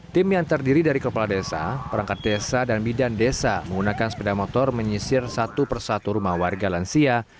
tim yang terdiri dari kepala desa perangkat desa dan bidan desa menggunakan sepeda motor menyisir satu persatu rumah warga lansia